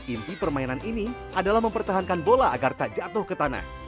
inti permainan ini adalah mempertahankan bola agar tak jatuh ke tanah